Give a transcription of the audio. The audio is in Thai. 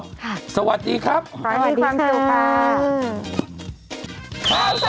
ค่ะสวัสดีครับสวัสดีค่ะขอบคุณความสุขค่ะ